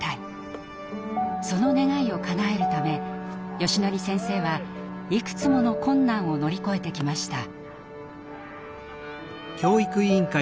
その願いをかなえるためよしのり先生はいくつもの困難を乗り越えてきました。